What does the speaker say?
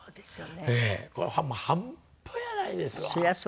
これ半端やないですわ。